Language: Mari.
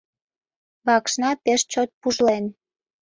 — Вакшна пеш чот пужлен.